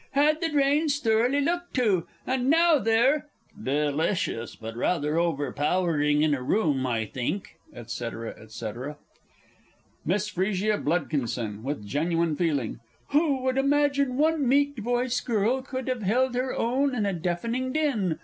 had the drains thoroughly looked to, and now they're ... delicious, but rather overpowering in a room, I think! &c., &c. MISS F. B. (with genuine feeling). Who would imagine one meek voiced girl could have held her own in a deafening din!